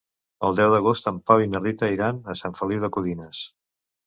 El deu d'agost en Pau i na Rita iran a Sant Feliu de Codines.